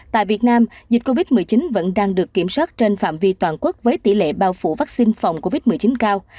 tại việt nam dịch covid một mươi chín vẫn đang được kiểm soát trên phạm vi toàn quốc với tỷ lệ bao phủ vaccine phòng covid một mươi chín cao